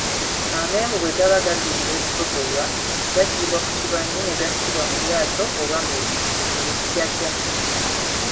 Amenvu bwe gaba gagenda okusogolwa, gaggyibwa ku kibanyi ne gassibwa mu lyato oba mu lutyatya.